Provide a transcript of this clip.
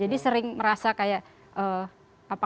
jadi sering merasa kayak apakah aku perlu melakukan apa